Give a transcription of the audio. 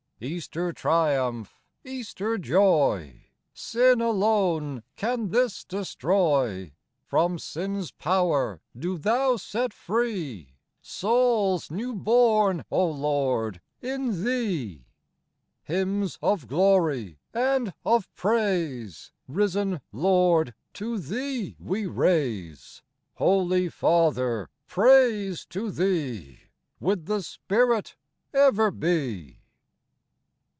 Easter triumph, Easter joy, Sin alone can this destroy ; From sin's power do Thou set free Souls new born, O Lord ! in Thee. Hymns of glory and of praise, Risen Lord, to Thee we raise ; Holy Father, praise to Thee, With the Spirit, ever be